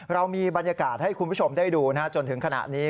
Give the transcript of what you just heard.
เรามีบรรยากาศให้คุณผู้ชมได้ดูจนถึงขณะนี้